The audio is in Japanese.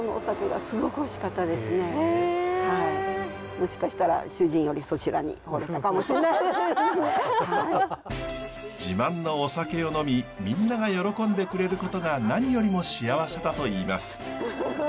もしかしたら自慢のお酒を飲みみんなが喜んでくれることが何よりも幸せだといいます。